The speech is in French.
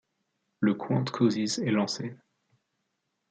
Le Qwant Causes est lancé.